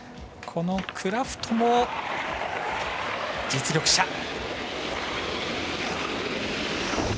このクラフトも実力者。